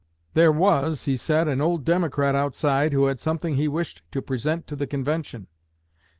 'There was,' he said, 'an old Democrat outside who had something he wished to present to the convention.'